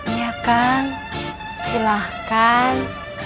iya kan silahkan